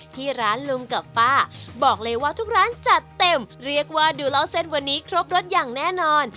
ที่ร้านลุงกับป้าบอกเลยว่าทุกร้านจัดเต็มเรียกว่าดูเล่าเส้นวันนี้ครบรสอย่างแน่นอน